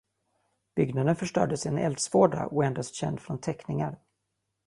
Byggnaden förstördes i en eldsvåda och är endast känd från teckningar.